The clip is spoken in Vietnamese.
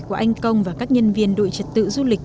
của anh công và các nhân viên đội trật tự du lịch